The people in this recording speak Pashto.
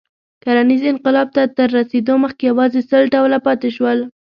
کرنیز انقلاب ته تر رسېدو مخکې یواځې سل ډوله پاتې شول.